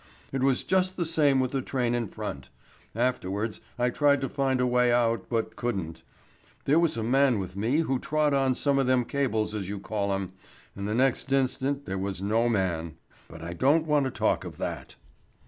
It was just the same with the train in front. Afterwards, I tried to find a way out, but couldn't. There was a man with me who trod on some of them cables as you call 'em, and the next instant there was no man but I don't want to talk of that."